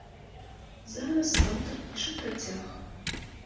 Зараз аўтар піша працяг.